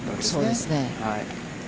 そうですね。